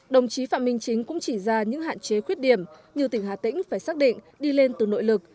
đồng chí phạm minh chính cũng chỉ ra những hạn chế khuyết điểm như tỉnh hà tĩnh phải xác định đi lên từ nội lực